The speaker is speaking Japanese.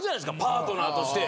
パートナーとして。